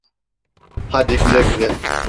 Hadi güle güle.